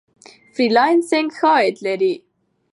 فری لانسینګ ښه عاید لري.